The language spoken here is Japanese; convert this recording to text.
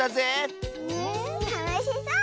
たのしそう！